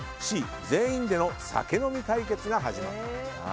Ｃ、全員での酒飲み対決が始まった。